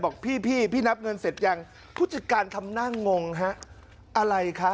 บอกพี่พี่นับเงินเสร็จยังผู้จัดการทำหน้างงฮะอะไรคะ